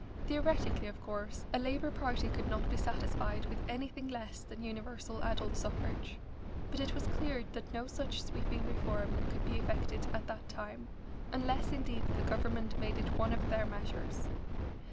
Theoretically, of course, a Labour party could not be satisfied with anything less than universal adult suffrage, but it was clear that no such sweeping reform could be effected at that time, unless indeed the Government made it one of their measures.